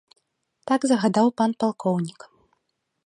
Так загадаў пан палкоўнік.